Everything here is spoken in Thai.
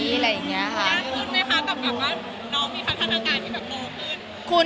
คุณไหมคะต่ำกลับว่าน้องมีพัฒนาการที่แบบโตขึ้น